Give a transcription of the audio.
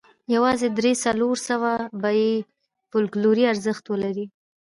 یوازې درې څلور سوه به یې فوکلوري ارزښت ولري.